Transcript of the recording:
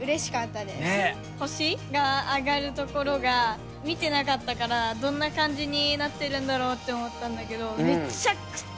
星が上がるところが見てなかったからどんな感じになってるんだろうって思ったんだけどめっちゃくちゃ